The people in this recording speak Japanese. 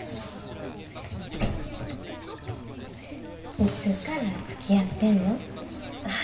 いつからつきあってんの？